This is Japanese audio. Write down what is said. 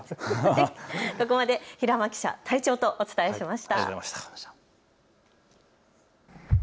ここまで平間記者、隊長とお伝えしました。